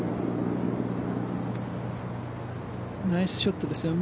ナイスショットですよ。